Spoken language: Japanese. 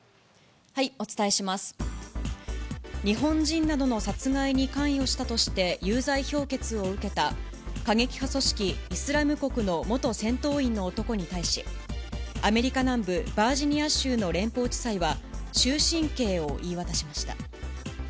日本人などの殺害に関与したとして、有罪評決を受けた過激派組織イスラム国の元戦闘員の男に対し、アメリカ南部バージニア州の連邦地裁は、終身刑を言い渡しました。